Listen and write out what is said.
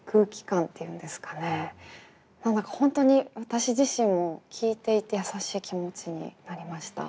何だか本当に私自身も聴いていてやさしい気持ちになりました。